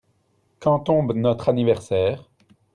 Quand tombe notre anniversaire ?